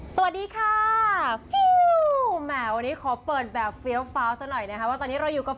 สวัสดีค่ะฟิลแหมวันนี้ขอเปิดแบบเฟี้ยวฟ้าวซะหน่อยนะคะว่าตอนนี้เราอยู่กับ